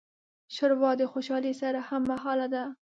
ښوروا د خوشالۍ سره هممهاله ده.